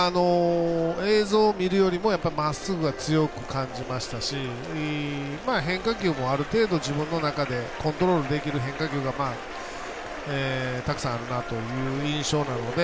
映像見るよりもまっすぐが強く感じましたし変化球もある程度、自分の中でコントロールできる変化球がたくさんあるなという印象なので。